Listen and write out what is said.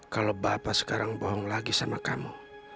kalau bapak sekarang bohong lagi sama kamu